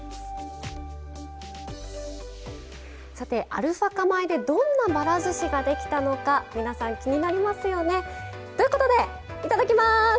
アルファ化米でどんな、ばらずしができたのか皆さん、気になりますよね。ということでいただきます！